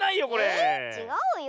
えちがうよ。